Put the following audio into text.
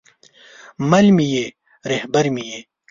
مل مې یې، رهبر مې یې